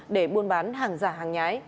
để buôn bán hàng giả hàng nhái